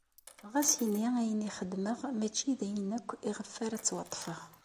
Ɣas ini ayen i xedmeɣ mačči d ayen akk iɣef ara ttwaṭṭfeɣ.